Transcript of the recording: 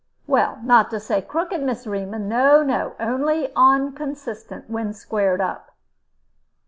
"Well, not to say crooked, Miss 'Rema; no, no. Only onconsistent, when squared up."